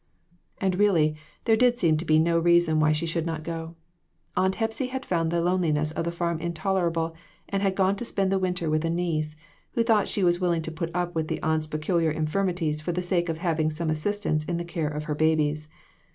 And really, there did seem to be no reason why she should not go. Aunt Hepsy had found the loneliness of the farm intolerable, and had gone to spend the winter with a niece, who thought she was willing to put up with the aunt's peculiar infirmities for the sake of having some assistance in the care of her babies.